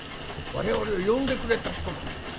我々を呼んでくれた人だと。